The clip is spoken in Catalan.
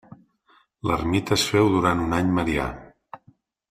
L'ermita es féu durant un any marià.